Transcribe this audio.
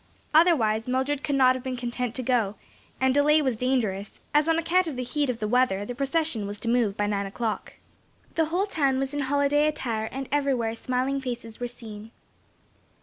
Otherwise Mildred could not have been content to go, and delay was dangerous, as on account of the heat of the weather the procession was to move by nine o'clock. The whole town was in holiday attire, and everywhere smiling faces were seen.